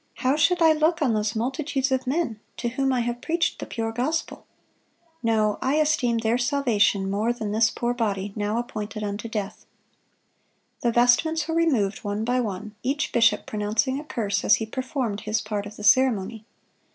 How should I look on those multitudes of men to whom I have preached the pure gospel? No; I esteem their salvation more than this poor body, now appointed unto death." The vestments were removed one by one, each bishop pronouncing a curse as he performed his part of the ceremony.